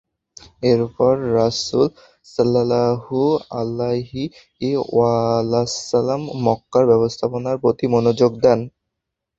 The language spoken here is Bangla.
এরপর রাসূল সাল্লাল্লাহু আলাইহি ওয়াসাল্লাম মক্কার ব্যবস্থাপনার প্রতি মনোযোগ দেন।